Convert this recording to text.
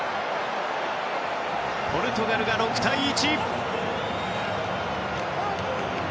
ポルトガルが６対１！